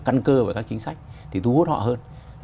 căn cơ và các chính sách thì thu hút họ hơn